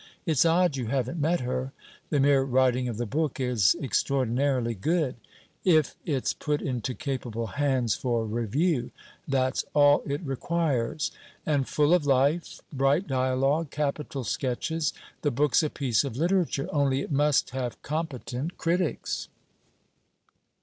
It's odd you haven't met her. The mere writing of the book is extraordinarily good. If it 's put into capable hands for review! that's all it requires. And full of life... bright dialogue.. capital sketches. The book's a piece of literature. Only it must have competent critics!'